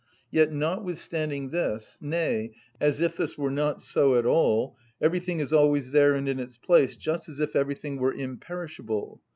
Yet notwithstanding this, nay, as if this were not so at all, everything is always there and in its place, just as if everything were imperishable.